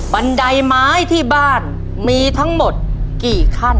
บันไดไม้ที่บ้านมีทั้งหมดกี่ขั้น